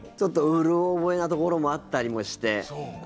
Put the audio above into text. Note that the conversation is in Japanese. うろ覚えなところもあったりもして。